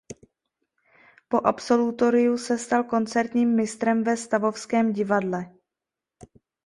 Po absolutoriu se stal koncertním mistrem ve Stavovském divadle.